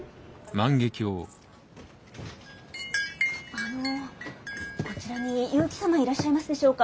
あのこちらに結城様いらっしゃいますでしょうか。